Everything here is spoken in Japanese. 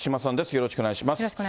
よろしくお願いします。